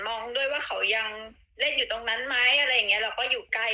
แม่หันหลังล้างจานอยู่